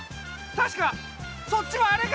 たしかそっちはあれが！